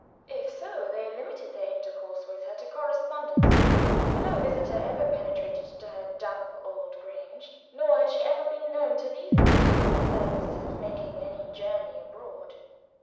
If so, they limited their intercourse with her to correspondence, for no visitor ever penetrated to her damp old Grange, nor had she ever been known to leave it with the purpose of making any journey abroad.